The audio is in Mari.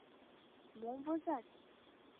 — Мом возат?